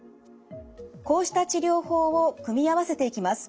こうした治療法を組み合わせていきます。